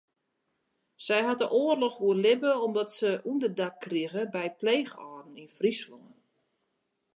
Sy hat de oarloch oerlibbe omdat se ûnderdak krige by pleechâlden yn Fryslân.